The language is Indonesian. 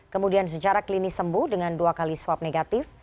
kemudian secara klinis sembuh dengan dua kali swab negatif